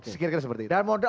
sekiranya seperti itu